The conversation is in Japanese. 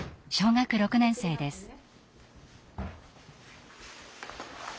小学６年生です。